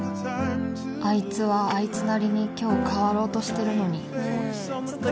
あいつはあいつなりに今日変わろうとしてるのに